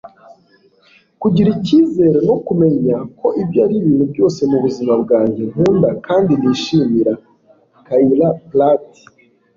kugira icyizere, no kumenya ko ibyo ari ibintu byose mu buzima bwanjye nkunda kandi nishimira. - kyla pratt